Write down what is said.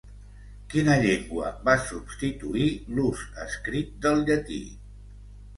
Quina llengua va substituir l'ús escrit del llatí?